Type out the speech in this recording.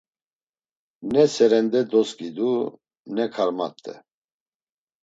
Ne serende doskidu ne karmat̆e.